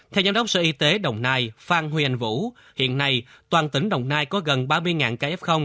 theo giám đốc sở y tế đồng nai phan huy anh vũ hiện nay toàn tỉnh đồng nai có gần ba mươi ca f